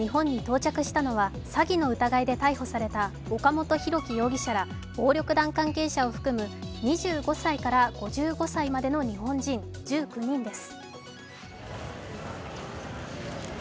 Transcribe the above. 詐欺の疑いで逮捕された岡本大樹容疑者ら暴力団関係者を含む２５歳から５５歳まで日本人１９人です。